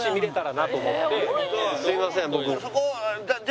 すいません僕。